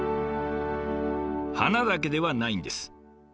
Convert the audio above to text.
花だけではないんです。